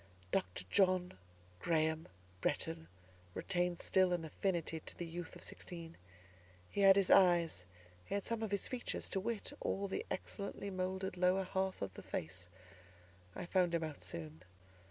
Dr. John Graham Bretton retained still an affinity to the youth of sixteen: he had his eyes; he had some of his features; to wit, all the excellently moulded lower half of the face; I found him out soon.